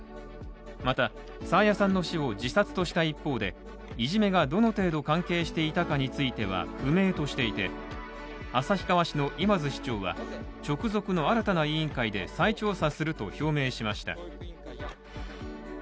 また、爽彩さんの死を自殺とした一方でいじめが、どの程度関係していたかについては不明としていて旭川市の今津市長は直属の新たな委員会で再調査すると表明しました。